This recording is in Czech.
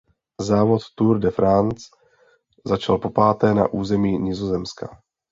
Závod Tour de France začal popáté na území Nizozemska.